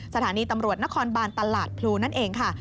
สถานีตำรวจนครบานตลาดพลูนั่นเองค่ะ